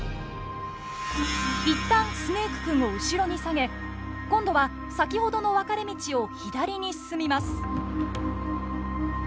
いったんスネイクくんを後ろに下げ今度は先ほどの分かれ道を左に進みます。